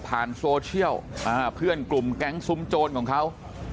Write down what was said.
โซเชียลเพื่อนกลุ่มแก๊งซุ้มโจรของเขา